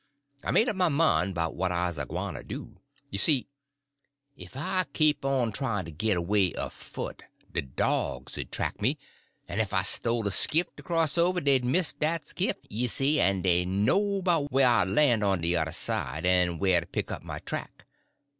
I'd made up my mine 'bout what I's agwyne to do. You see, ef I kep' on tryin' to git away afoot, de dogs 'ud track me; ef I stole a skift to cross over, dey'd miss dat skift, you see, en dey'd know 'bout whah I'd lan' on de yuther side, en whah to pick up my track.